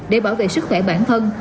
để bảo vệ sức khỏe bản thân